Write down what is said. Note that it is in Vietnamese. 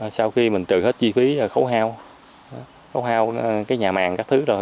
sau khi mình trừ hết chi phí khấu hao cái nhà màng các thứ rồi